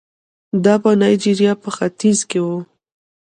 دا په نایجریا په ختیځ کې وو.